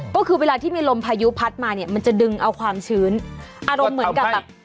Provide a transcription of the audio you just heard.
ก็คือเวลาที่มีลมพายุพัดมาเนี่ยมันจะดึงเอาความชื้นอารมณ์เหมือนกับแบบ